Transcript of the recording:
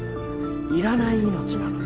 いらない命なの